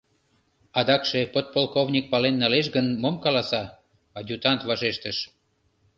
Адакше подполковник пален налеш гын, мом каласа? — адъютант вашештыш.